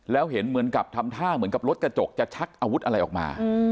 แล้วเห็นเหมือนกับทำท่าเหมือนกับรถกระจกจะชักอาวุธอะไรออกมา